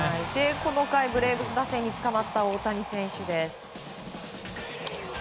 この回ブレーブス打線につかまった大谷選手。